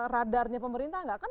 radarnya pemerintah tidak kan